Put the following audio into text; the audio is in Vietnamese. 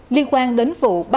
liên quan đến vụ ba cán bộ